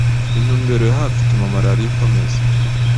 intumbero ya hafi ituma malaria ikomeza